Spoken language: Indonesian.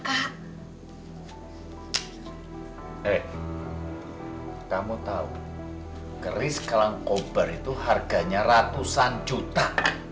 bapak kamu tahu keris kalang kol bar itu harganya ratusan juta